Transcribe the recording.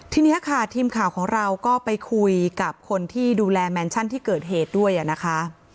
ทีนี้ค่ะทีมข่าวของเราก็ไปคุยกับคนที่ดูแลแมนชั่นที่เกิดเหตุด้วยนะคะ